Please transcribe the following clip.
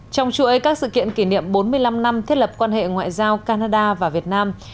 trong chuỗi các sự kiện kỷ niệm bốn mươi năm năm thiết lập quan hệ ngoại giao canada và việt nam